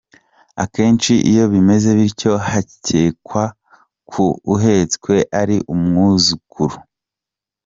Akenshi iyo bimeze bityo, hakekwa ko uhetswe ari umwuzukuru.